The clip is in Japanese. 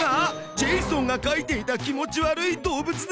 ジェイソンが描いていた気持ち悪い動物だ。